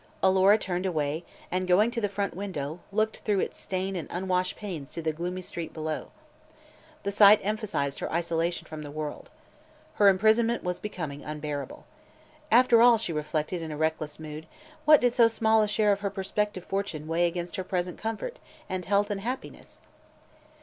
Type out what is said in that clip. Alora turned away and going to the front window, looked through its stained and unwashed panes into the gloomy street below. The sight emphasized her isolation from the world. Her imprisonment was becoming unbearable. After all, she reflected, in reckless mood, what did so small a share of her prospective fortune weigh against her present comfort and health and happiness?